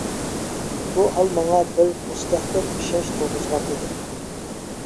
بۇ ھال ماڭا بىر مۇستەھكەم ئىشەنچ تۇرغۇزغان ئىدى.